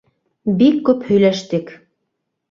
Бик күп һөйләштек.